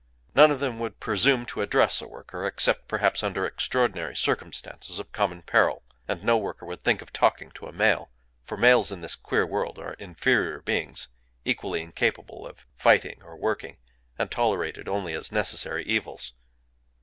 None of them would presume to address a worker,—except, perhaps, under extraordinary circumstances of common peril. And no worker would think of talking to a male;—for males, in this queer world, are inferior beings, equally incapable of fighting or working, and tolerated only as necessary evils.